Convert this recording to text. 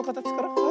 はい。